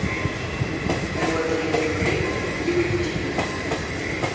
ⵎⴰⵏⵡⴰ ⴰⴷ ⴷ ⵖⵉⵏⵏ ⵢⵉⵡⵔⵔⵉⵏ, ⵢⵉⵡⵉ ⴷ ⵜⵉⴷⵜ.